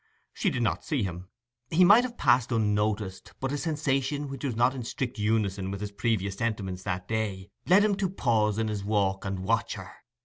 She did not see him; he might have passed unnoticed; but a sensation which was not in strict unison with his previous sentiments that day led him to pause in his walk and watch her.